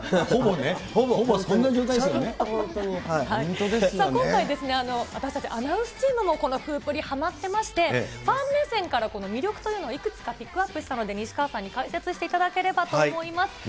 ほぼね、ほぼそんな状態ですさあ、今回、私たちアナウンスチームも、このフープリ、はまってまして、ファン目線から魅力というのをいくつかピックアップしたので、西川さんに解説していただければと思います。